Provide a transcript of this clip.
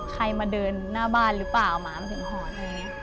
ใครมาเดินหน้าบ้านหรือเปล่าหมามันถึงหอนอะไรอย่างนี้